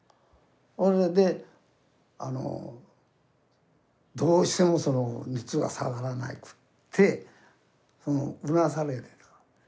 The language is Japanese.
それでどうしても熱が下がらなくってうなされてた。